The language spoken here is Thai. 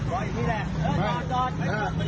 รออีกทีแหละจนจน